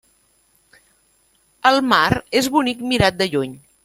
El mar és bonic mirat de lluny.